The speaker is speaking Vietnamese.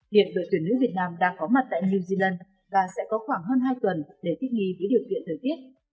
hiện đội tuyển nữ việt nam đã có mặt tại new zealand và sẽ có khoảng hơn hai tuần để thiết nghi kỹ điều kiện thời tiết